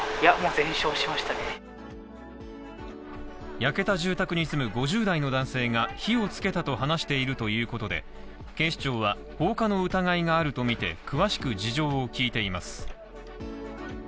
焼けた住宅に住む５０代の男性が火をつけたと話しているということで、警視庁は放火の疑いがあるとみて詳しく事情を聞いています。